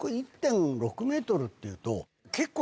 っていうと結構。